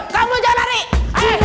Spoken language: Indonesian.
kamu jangan lari